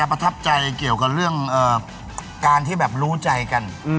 ประทับใจเกี่ยวกับเรื่องการที่แบบรู้ใจกัน